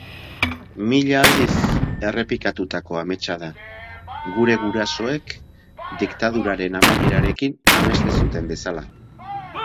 Mila aldiz errepikatutako ametsa da, gure gurasoek diktaduraren amaierarekin amesten zuten bezala.